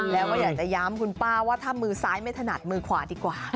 แล้วก็อยากจะย้ำคุณป้าว่าถ้ามือซ้ายไม่ถนัดมือขวาดีกว่า